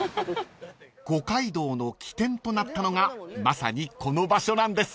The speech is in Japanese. ［五街道の起点となったのがまさにこの場所なんです］